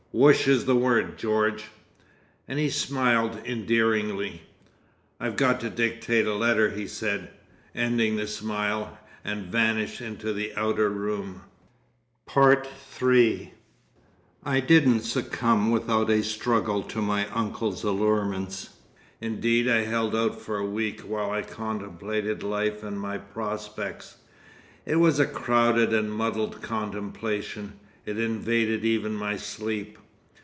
Woosh is the word, George." And he smiled endearingly. "I got to dictate a letter," he said, ending the smile, and vanished into the outer room. III I didn't succumb without a struggle to my uncle's allurements. Indeed, I held out for a week while I contemplated life and my prospects. It was a crowded and muddled contemplation. It invaded even my sleep.